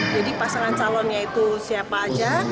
jadi pasangan calonnya itu siapa saja